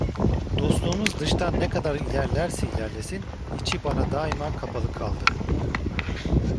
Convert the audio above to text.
Dostluğumuz dıştan ne kadar ilerlerse ilerlesin, içi bana daima kapalı kaldı.